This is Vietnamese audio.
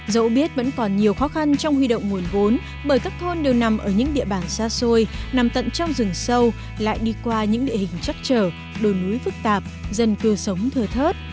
dẫu biết vẫn còn nhiều khó khăn trong huy động nguồn vốn bởi các thôn đều nằm ở những địa bàn xa xôi nằm tận trong rừng sâu lại đi qua những địa hình chắc trở đồi núi phức tạp dân cư sống thừa thớt